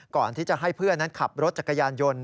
ก่อนที่จะให้เพื่อนนั้นขับรถจักรยานยนต์